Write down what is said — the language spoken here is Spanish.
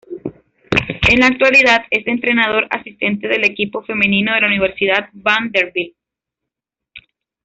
En la actualidad es entrenador asistente del equipo femenino de la Universidad Vanderbilt.